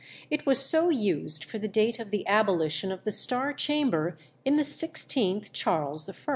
It was so used for the date of the abolition of the Star Chamber in the 16th Charles I.